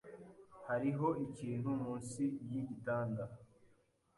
Hariho ikintu munsi yigitanda.